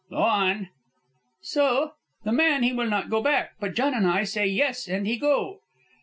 "Go on." "So? The man he will not go back; but John and I say yes, and he go."